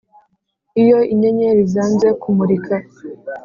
iyo inyenyeri zanze kumurika